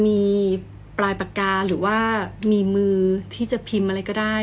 มีปลายปากกาหรือว่ามีมือที่จะพิมพ์อะไรก็ได้